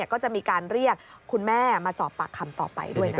ก็จะมีการเรียกคุณแม่มาสอบปากคำต่อไปด้วยนะคะ